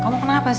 kau mau kenapa sih